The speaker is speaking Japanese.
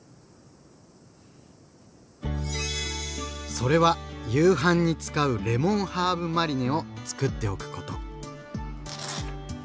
それは夕飯に使う「レモンハーブマリネ」をつくっておくこと。